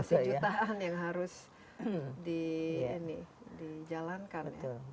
masih jutaan yang harus dijalankan